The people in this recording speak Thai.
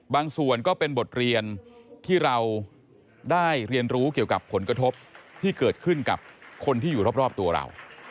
ส่วนก็เป็นบทเรียนที่เราได้เรียนรู้เกี่ยวกับผลกระทบที่เกิดขึ้นกับคนที่อยู่รอบตัวเรา